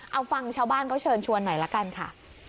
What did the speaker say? เอาฟังชาวบ้านเขาเชิญชวนหน่อยละกันค่ะ